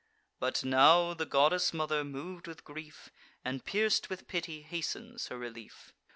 But now the goddess mother, mov'd with grief, And pierc'd with pity, hastens her relief.